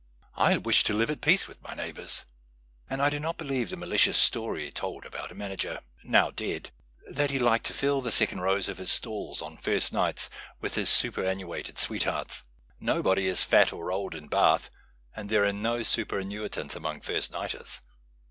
I wish to live at peace with my neighbours. And I do not believe the malicious story told about a manager, now dead, that he liked to fill the second row of his stalls on first nights with his superannuated sweethearts. Nobody is fat or old in Ba ath, and there are no superannuitants among first nighters.